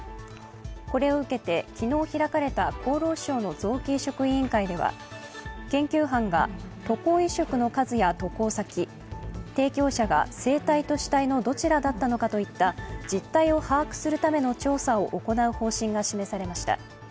これを受けて、昨日開かれた厚労省の臓器移植委員会では研究班が、渡航移植の数や渡航先、提供者が生体と死体のどちらだったのかといった実態を把握するための調査を行う方針が示されました。